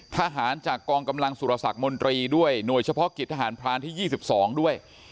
ทหารจากกองกำลังสุรสักมนตรีด้วยหน่วยเฉพาะกิจทหารพรานที่๒๒ด้วย